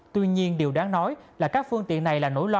tuy nhiên điều đáng nói là các phương tiện này là nỗi lo